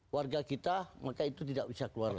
warga kita maka itu tidak bisa keluar